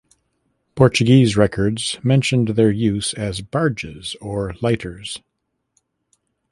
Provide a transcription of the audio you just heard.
Portuguese records mentioned their use as barges or lighters.